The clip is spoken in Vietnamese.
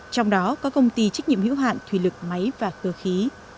trong đó có công ty trách nhiệm hữu hạn thủy lực máy và cơ khí